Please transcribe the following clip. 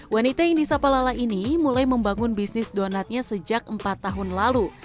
wanita yang disapa lala ini mulai membangun bisnis donatnya sejak empat tahun lalu